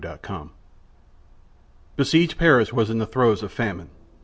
TWO FRIENDS Besieged Paris was in the throes of famine.